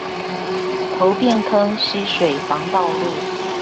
頭汴坑溪水防道路